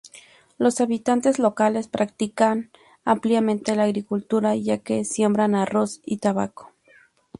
Los habitantes locales practican ampliamente la agricultura ya que siembran arroz y tabaco.